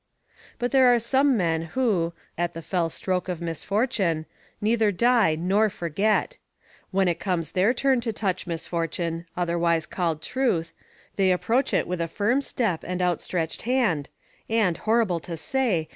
But there are some men, who, at the fell stroke of misfortune, neither die nor forget; when it comes their turn to touch misfortune, otherwise called truth, they approach it with a firm step and outstretched hand, and horrible to say!